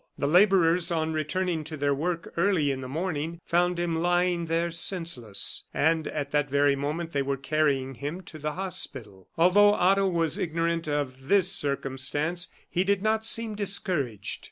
The laborers, on returning to their work early in the morning, found him lying there senseless; and at that very moment they were carrying him to the hospital. Although Otto was ignorant of this circumstance, he did not seem discouraged.